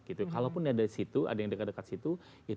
kalaupun ada yang dekat dekat situ